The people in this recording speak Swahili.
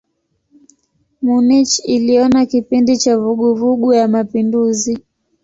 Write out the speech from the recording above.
Munich iliona kipindi cha vuguvugu ya mapinduzi.